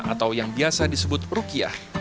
atau yang biasa disebut rukiah